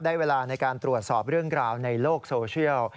เวลาในการตรวจสอบเรื่องราวในโลกโซเชียล